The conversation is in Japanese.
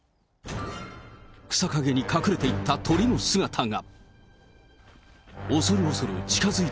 草陰に隠れていった鳥の姿が。